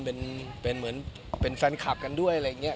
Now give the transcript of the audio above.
เป็นเป็นแฟนคลับกันด้วยอะไรอย่างเนี้ย